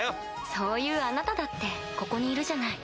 そういうあなただってここにいるじゃない。